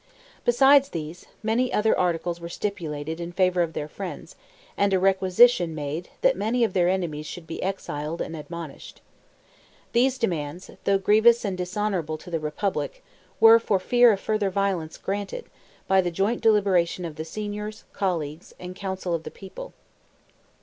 Besides these, many other articles were stipulated in favor of their friends, and a requisition made that many of their enemies should be exiled and admonished. These demands, though grievous and dishonorable to the republic, were for fear of further violence granted, by the joint deliberation of the Signors, Colleagues, and Council of the people.